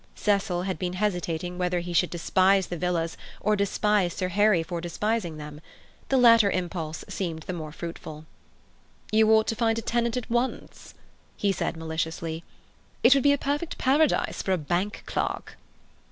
Cecil had been hesitating whether he should despise the villas or despise Sir Harry for despising them. The latter impulse seemed the more fruitful. "You ought to find a tenant at once," he said maliciously. "It would be a perfect paradise for a bank clerk."